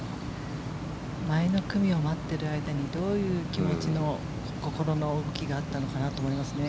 前の組を待っている間にどういう気持ちの、心の動きがあったのかなと思いますね。